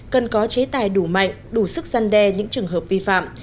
cần có chế tài đủ mạnh đủ sức gian đe những trường hợp vi phạm